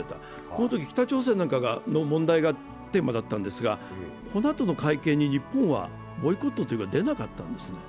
このとき北朝鮮なんかの問題がテーマだったんですが、このあとの会見に日本はボイコットというか、出なかったんですね。